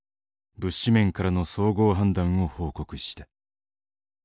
物資面からの総合判断を報告した。